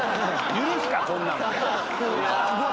許すかこんなので！